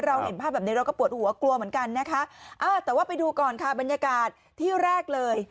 เห็นภาพแบบนี้เราก็ปวดหัวกลัวเหมือนกันนะคะอ่าแต่ว่าไปดูก่อนค่ะบรรยากาศที่แรกเลย